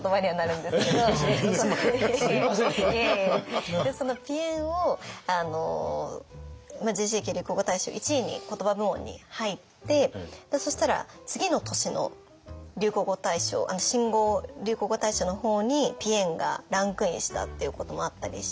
いやいやいやその「ぴえん」をＪＣ・ＪＫ流行語大賞１位にコトバ部門に入ってそしたら次の年の流行語大賞新語・流行語大賞の方に「ぴえん」がランクインしたっていうこともあったりして。